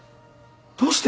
どうして？